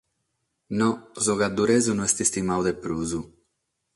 No, su gadduresu no est istimadu de prus.